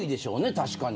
確かに。